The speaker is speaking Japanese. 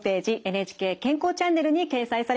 「ＮＨＫ健康チャンネル」に掲載されます。